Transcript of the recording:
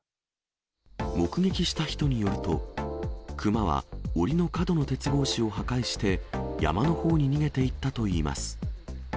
目撃した人によると、クマはおりの角の鉄格子を破壊して、山のほうに逃げていったといいます。